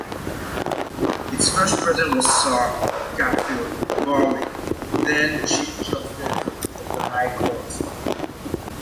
Its first president was Sir Garfield Barwick then Chief Justice of the High Court.